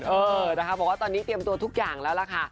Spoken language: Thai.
เออนะคะบอกว่าตอนนี้เตรียมตัวทุกอย่างแล้วล่ะค่ะ